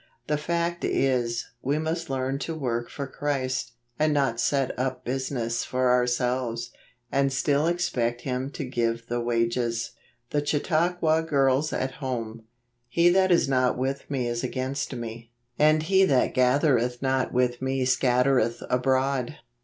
The fact is, we must learn to work for Christ, and not set up business for our¬ selves, and still expect Him to give the wages. The Chautauqua Girls at Home. " Tie that is not with me. is against me; and he that gat here th not with me scattereth abroad."